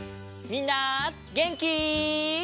みんなげんき？